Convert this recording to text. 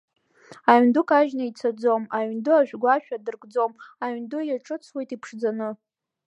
Аҩнду кажьны ицаӡом, аҩнду ашәгәашә адыркӡом, аҩнду иаҿыҵуеит иԥшӡаны.